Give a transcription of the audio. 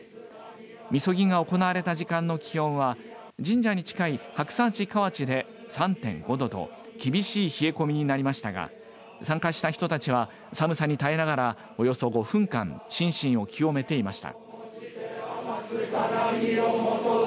みそぎが行われた時間の気温は神社に近い白山市河内で３．５度と厳しい冷え込みになりましたが参加した人たちは寒さに耐えながらおよそ５分間心身を清めていました。